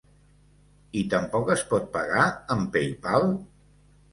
I tampoc es pot pagar amb PayPal?